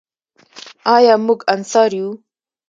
آیا موږ انصار یو؟